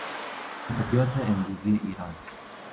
ادبیات امروزی ایران